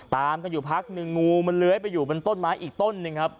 ตามกันอยู่พักหนึ่งมีงูเหล้ยมาอยู่ตอนมาอีกต้นนึงครับ